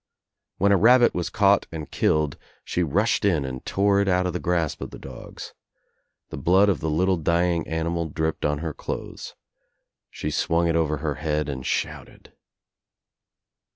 When a rabbit was caught and Icillcd she rushed in and tore it out of the grasp of the dogs. The blood of the little dying animal dripped on her clothes. She swung it over her head and shouted.